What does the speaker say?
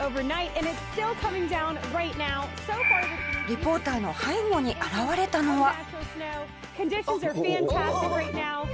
リポーターの背後に現れたのは。